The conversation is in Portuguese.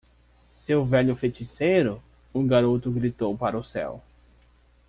"Seu velho feiticeiro?" o garoto gritou para o céu.